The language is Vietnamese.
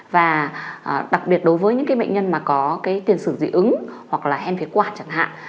và đặc biệt đối với những mệnh nhân mà có tiền sử dị ứng hoặc là hen phế quạt chẳng hạn